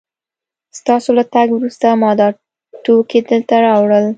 ستاسو له تګ وروسته ما دا توکي دلته راوړل